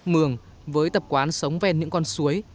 mường với tập quán sống ven những con suối